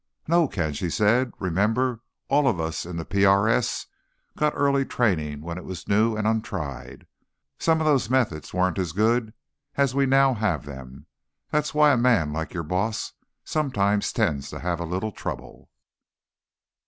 "No, Ken," she said. "Remember, all of us in the PRS got early training when it was new and untried. Some of those methods weren't as good as we now have them; that's why a man like your boss sometimes tends to have a little trouble."